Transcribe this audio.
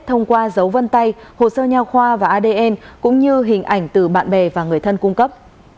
thông qua dấu vân tay hồ sơ nhào khoa và adn cũng như hình ảnh từ bạn bè và người thân cung cấp